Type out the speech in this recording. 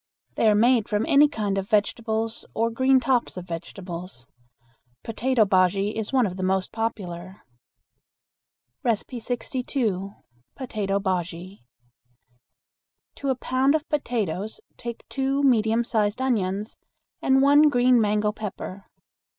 They are made from any kind of vegetables or green tops of vegetables. Potato bujea is one of the most popular. [Illustration: AN INDIAN PRINCE] 62. Potato Bujea. To a pound of potatoes take two medium sized onions and one green mango pepper.